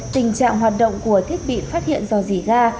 tình trạng hoạt động của thiết bị phát hiện do dỉ ga